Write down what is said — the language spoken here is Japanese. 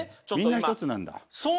みんなひとつなんだ！